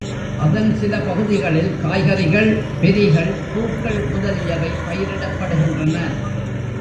அதன் சில பகுதிகளில் காய்கறிகள், பெரிகள், பூக்கள் முதலியவை பயிரிடப்படுகின்றன.